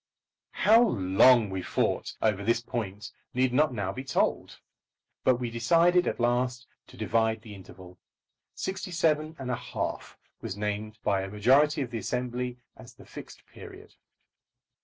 How long we fought over this point need not now be told. But we decided at last to divide the interval. Sixty seven and a half was named by a majority of the Assembly as the Fixed Period.